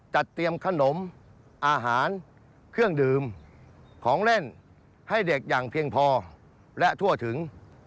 จัดเตรียมขนมอาหารเครื่องดื่มของเล่นให้เด็กอย่างเพียงพอและทั่วถึง